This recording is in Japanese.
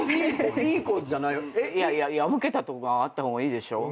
いやいや破けたとこがあった方がいいでしょ。